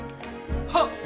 はっ！